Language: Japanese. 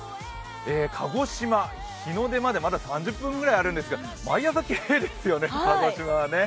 鹿児島、日の出までまだ３０分ぐらいあるんですが毎朝きれいですよね、鹿児島はね。